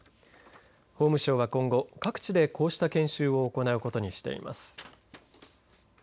法務省は今後各地でこうした研修を行うことにしています。